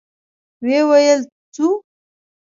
ويې ويل: ځو؟